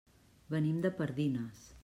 Venim de Pardines.